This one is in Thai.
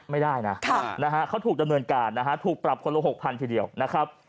ไม่ได้นะเขาถูกดำเนินการนะฮะถูกปรับคนละ๖๐๐ทีเดียวนะครับ